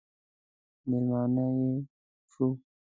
مېلمانه یې شو.